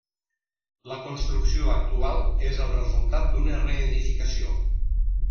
La construcció actual és el resultat d'una reedificació.